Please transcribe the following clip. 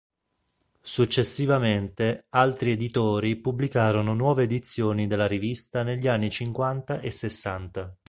Successivamente altri editori pubblicarono nuove edizioni della rivista negli anni cinquanta e sessanta.